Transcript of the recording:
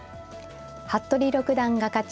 服部六段が勝ち